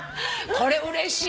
これうれしい。